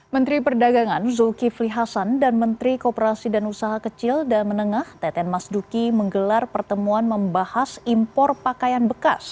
menteri perdagangan zulkifli hasan dan menteri kooperasi dan usaha kecil dan menengah teten mas duki menggelar pertemuan membahas impor pakaian bekas